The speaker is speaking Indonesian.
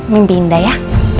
mimpi indah ya